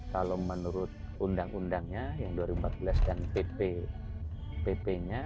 kalau menurut undang undangnya yang dua ribu empat belas dan pp nya